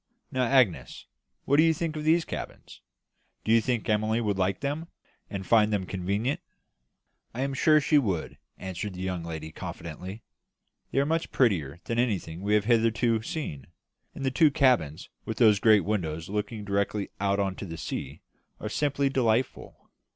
"Now, Agnes, what do you think of these cabins? Do you think Emily would like them, and find them convenient?" "I am sure she would," answered the young lady, confidently. "They are much prettier than anything we have hitherto seen; and the two large cabins, with those great windows looking directly out on to the sea, are simply delightful."